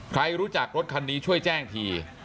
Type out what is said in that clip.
ใครรู้จักรถคันนี้ช่วยแจ้งที